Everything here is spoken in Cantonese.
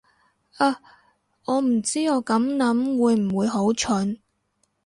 啊，我唔知我咁諗會唔會好蠢